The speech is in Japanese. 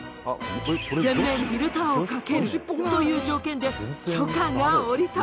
全面フィルターをかけるという条件で許可が下りた。